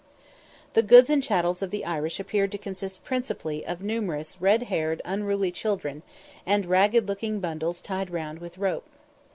The goods and chattels of the Irish appeared to consist principally of numerous red haired, unruly children, and ragged looking bundles tied round with rope.